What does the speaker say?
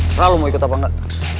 serah lu mau ikut apa enggak